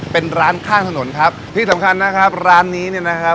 เป็นร้านข้างถนนครับที่สำคัญนะครับร้านนี้เนี่ยนะครับ